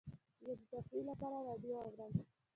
زه د تفریح لپاره راډیو اورم.